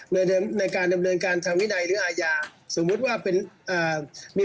มีอายการคนนี้จริงแล้วก็อายการคนนี้